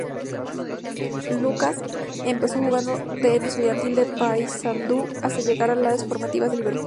Lucas empezó jugando en Estudiantil de Paysandú, hasta llegar a las formativas de Liverpool.